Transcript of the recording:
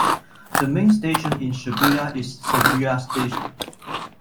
The main station in Shibuya is Shibuya Station.